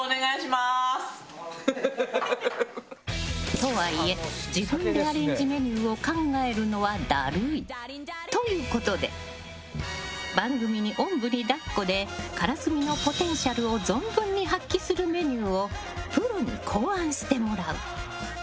とはいえ、自分でアレンジメニューを考えるのはだるい。ということで番組におんぶに抱っこでからすみのポテンシャルを存分に発揮するメニューをプロに考案してもらう。